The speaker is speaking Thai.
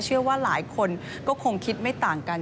เชื่อว่าหลายคนก็คงคิดไม่ต่างกัน